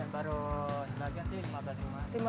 baru lima belas rumah